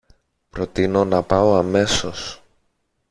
προτείνω να πάω αμέσως